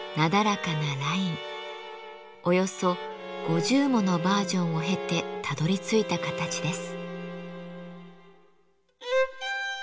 およそ５０ものバージョンを経てたどりついた形です。